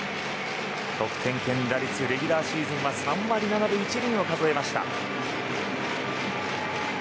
得点圏打率はレギュラーシーズンは３割７分１厘を数えました。